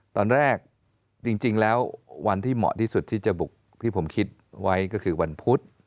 ตอนแรกจริงแล้ววันที่เหมาะที่สุดที่จะบุกที่ผมคิดไว้ก็คือวันพุธ